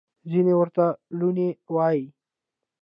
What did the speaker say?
ځینې ورته لوني وايي.